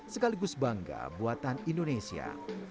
sekaligus bangga buatan indonesia